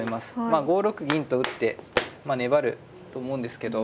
まあ５六銀と打って粘ると思うんですけど。